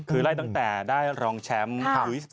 คือไล่ตั้งแต่ได้รองแชมป์